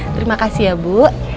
terima kasih ya bu